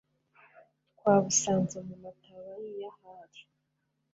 twabusanze mu mataba y’i Yahari